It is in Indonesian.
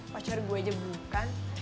pacar gue aja bukan